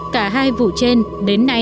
cả hai vụ trên đến nay